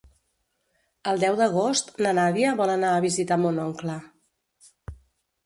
El deu d'agost na Nàdia vol anar a visitar mon oncle.